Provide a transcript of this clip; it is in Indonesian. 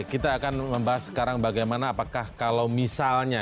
kita akan membahas sekarang bagaimana apakah kalau misalnya